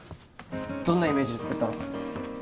どんなイメージで作ったの？